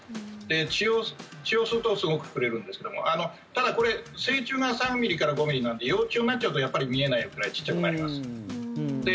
血を吸うとすごく膨れるんですけどただ、これ成虫が３ｍｍから５ｍｍなので幼虫になっちゃうと見えないくらい小さくなります。